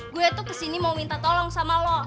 gue tuh kesini mau minta tolong sama lo